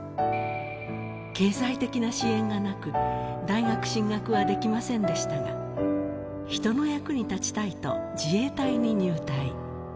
経済的な支援がなく、大学進学はできませんでしたが、人の役に立ちたいと自衛隊に入隊。